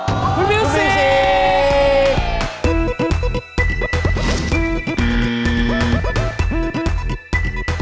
คุณมิวซิก